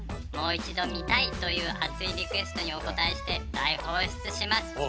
もう一度見たいという熱いリクエストにお応えして大放出します。